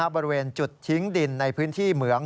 บริเวณจุดทิ้งดินในพื้นที่เหมือง